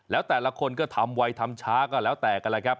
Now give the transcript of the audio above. แล้วแต่ละคนก็ทำไวทำช้าก็แล้วแต่กันแหละครับ